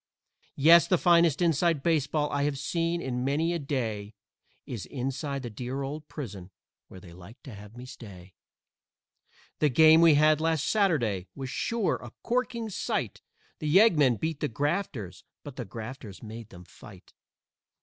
Yes, the finest "inside" baseball I have seen in many a day Is inside the dear old prison, where they like to have me stay. The game we had last Saturday was sure a corking sight; The Yeggmen beat the Grafters, but the Grafters made them fight.